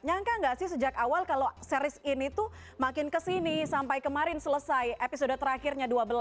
nyangka gak sih sejak awal kalau series ini tuh makin kesini sampai kemarin selesai episode terakhirnya dua belas